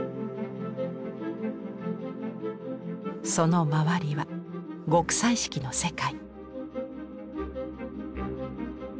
その周りは極彩色の世界。